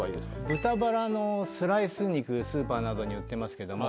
豚バラのスライス肉スーパーなどに売ってますけども。